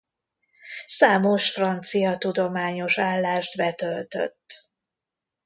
Számos francia tudományos állást betöltött.